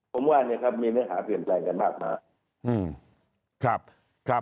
ผมว่ามีเรื่องข้าเตือนแค่ไหนกันมากนะคะ